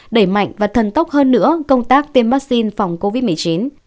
đẩy mạnh và thần tốc hơn nữa công tác tiêm vaccine phòng covid một mươi chín